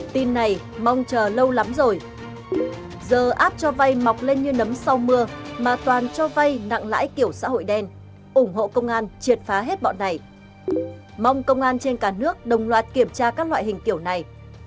tin này mong chờ lâu lắm rồi giờ áp cho vay mọc lên như nấm sau mưa mà toàn cho vay nặng lãi kiểu xã hội đen ủng hộ công an triệt phá hết bọn này mong công an trên cả nước đồng loạt kiểm tra các loại hình kiểu này